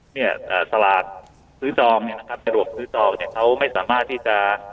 เนี่ยสลากซื้อจองเนี่ยนะครับสะดวกซื้อจองเนี่ยเขาไม่สามารถที่จะ